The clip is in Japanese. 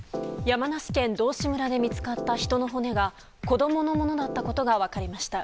山梨県道志村で見つかった人の骨が子供のものだったことが分かりました。